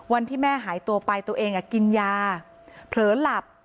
วันที่แม่หายตัวไปตัวเองกินยาเผลอหลับ